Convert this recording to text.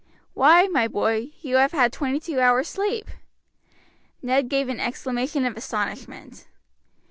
"Why, my boy, you have had twenty two hours' sleep." Ned gave an exclamation of astonishment.